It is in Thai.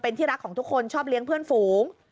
เป็นที่รักของทุกคนชอบเลี้ยงเพื่อนฝูง